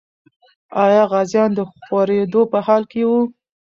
آیا غازیان د خورېدو په حال کې وو؟